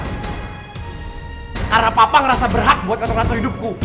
karena papa ngerasa berhak buat ngatur ngatur hidupku